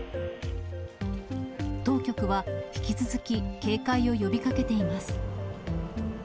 当局は引き続き、警戒を呼びかけています。